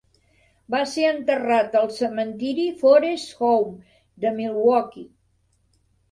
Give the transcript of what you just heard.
Va ser enterrat al cementiri Forest Home de Milwaukee.